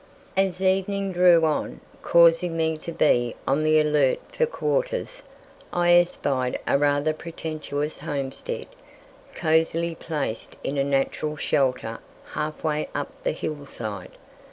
As evening drew on, causing me to be on the alert for quarters, I espied a rather pretentious homestead, cosily placed in a natural shelter half way up the hillside.